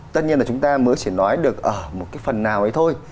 tất nhiên là chúng ta mới chỉ nói được ở một cái phần nào ấy thôi